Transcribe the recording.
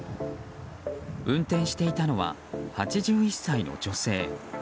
運転していたのは８１歳の女性。